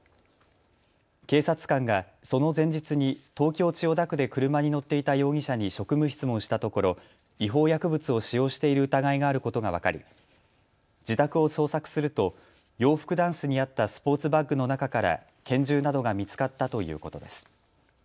警察官がその前日に東京千代田区で車に乗っていた容疑者に職務質問したところ違法薬物を使用している疑いがあることが分かり自宅を捜索すると洋服ダンスにあったスポーツバッグの中から拳銃などが見つかったということです。